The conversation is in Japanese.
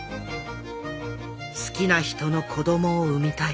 「好きな人の子供を産みたい」。